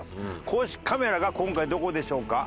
公式カメラが今回どこでしょうか？